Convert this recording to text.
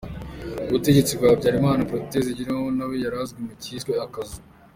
Ku butegetsi bwa Habyarimana, Protais Zigiranyirazo nawe yari azwi mu cyiswe « Akazu ».